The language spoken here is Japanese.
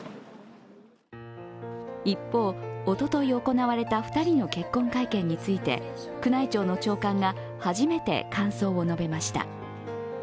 一方、おととい行われた２人の結婚会見について宮内庁の長官が初めて感想を述べました。